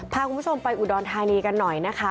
พาคุณผู้ชมไปอุดรธานีกันหน่อยนะคะ